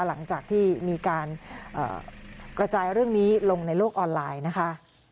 หลังจากที่มีการกระจายเรื่องนี้ลงในโลกออนไลน์นะคะ